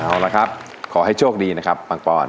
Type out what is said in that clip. เอาละครับขอให้โชคดีนะครับปังปอน